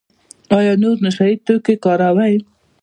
ایا نور نشه یي توکي کاروئ؟